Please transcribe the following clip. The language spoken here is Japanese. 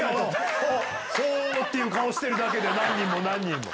ほう！っていう顔してるだけで何人も何人も。